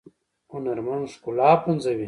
هنرمند ښکلا پنځوي